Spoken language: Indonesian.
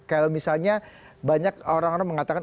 kalau misalnya banyak orang orang mengatakan